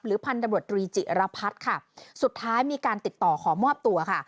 พันธบรตรีจิรพัฒน์ค่ะสุดท้ายมีการติดต่อขอมอบตัวค่ะ